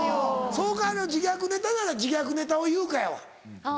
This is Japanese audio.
それか自虐ネタなら自虐ネタを言うかやわ。